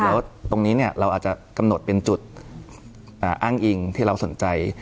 แล้วตรงนี้เราอาจจะกำหนดเป็นจุดอ้างอิงที่เราสนใจ